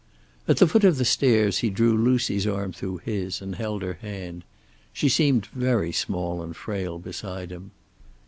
At the foot of the stairs he drew Lucy's arm through his, and held her hand. She seemed very small and frail beside him.